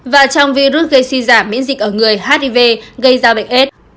và trong virus gây suy giảm miễn dịch ở người hiv gây ra bệnh s